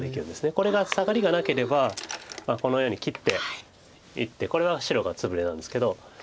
これがサガリがなければこのように切っていってこれは白がツブレなんですけど。